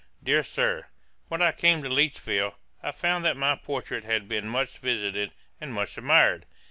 'DEAR SIR, 'When I came to Lichfield, I found that my portrait had been much visited, and much admired.